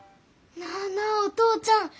なあなあお父ちゃん。